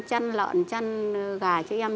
chăn lợn chăn gà cho em